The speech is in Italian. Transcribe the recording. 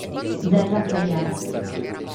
Géza Fejér